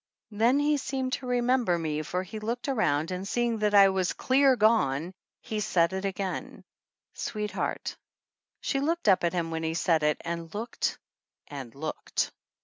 Then he seemed to remember me for he looked around, and, seeing that I was clear gone, he said it again, "Sweetheart." She looked up at him when he said it, and looked and looked!